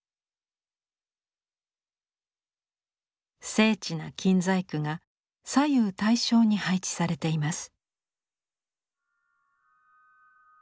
精緻な金細工が左右対称に配置されています。